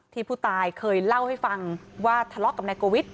ผู้ตายเคยเล่าให้ฟังว่าทะเลาะกับนายกวิทย